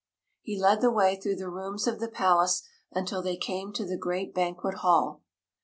He led the way through the rooms of the palace until they came to the great banquet hall.